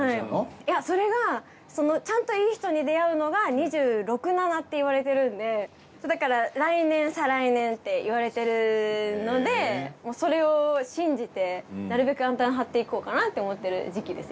いやそれがちゃんといい人に出会うのが２６２７って言われてるんでだから来年再来年って言われてるのでもうそれを信じてなるべくアンテナ張っていこうかなって思ってる時期です